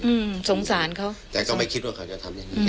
อืมสงสารเขาแต่ก็ไม่คิดว่าเขาจะทำอย่างนี้แค่นี้